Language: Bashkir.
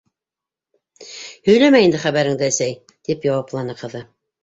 —Һөйләмә инде хәбәреңде, әсәй, —тип яуапланы ҡыҙы